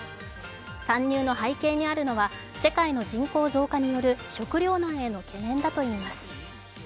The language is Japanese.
参入の背景にあるのは世界の人口増加による食糧難への懸念だといいます。